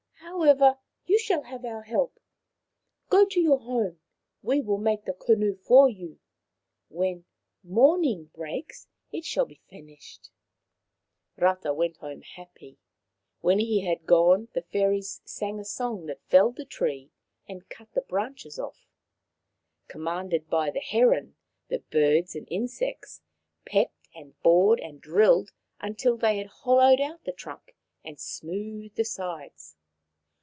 However, you shall have our help. Go to your home. We will make the canoe for you. When morning breaks it shall be finished." ! Rata went home happy. When he had gone the fairies sang a song that felled the tree and cut the branches off ; commanded by the heron, the birds and insects pecked and bored and drilled until they hollowed out the trunk and smoothed the sides.